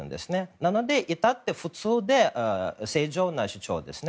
なので至って普通で正常な主張ですね。